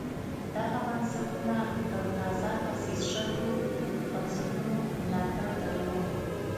دغه بنسټونه د تازه تاسیس شویو بنسټونو ملاتړ درلود